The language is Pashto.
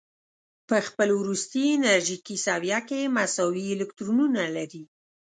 په خپل وروستي انرژیکي سویه کې مساوي الکترونونه لري.